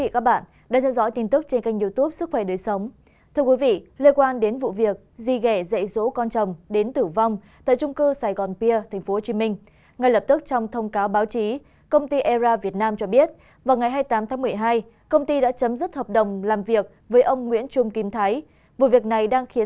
các bạn hãy đăng ký kênh để ủng hộ kênh của chúng mình nhé